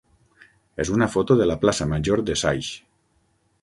és una foto de la plaça major de Saix.